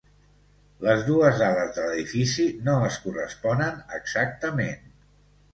Les dues ales de l'edifici no es corresponen exactament.